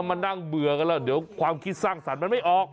ถ้ามันนั่งเบือกอะเดี๋ยวความคิดสร้างสรรดิมันไม่ออก